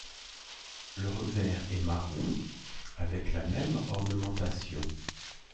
Le revers est marron avec la même ornementation.